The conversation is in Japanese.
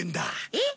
えっ！？